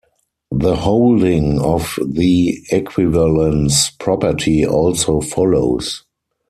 The holding of the equivalence property also follows.